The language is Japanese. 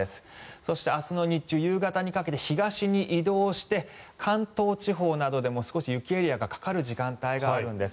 そして明日の日中夕方にかけて東に移動して関東地方などでも少し雪エリアがかかる時間帯があるんです。